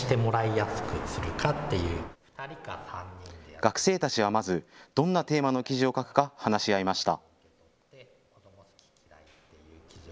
学生たちはまず、どんなテーマの記事を書くか話し合いました。